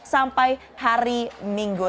sampai hari minggu